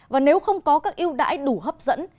và nếu không có các yêu đãi đủ hấp dẫn